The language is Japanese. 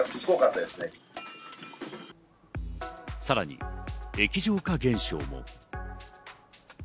さらに液状化現象も。